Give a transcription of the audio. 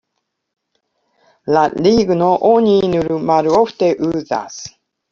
La ligno oni nur malofte uzas.